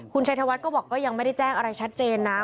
คุณชัยธวัฒน์ก็บอกก็ยังไม่ได้แจ้งอะไรชัดเจนนะ